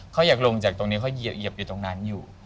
เขาอยากลงจากตรงนี้เขาเหยียบอยู่ตรงนั้นอยู่